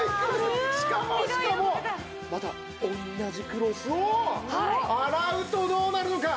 しかもしかもまた同じクロスを洗うとどうなるのか？